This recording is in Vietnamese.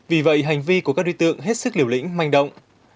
vì vậy hành vi của các đối tượng hết sức liều lĩnh manh động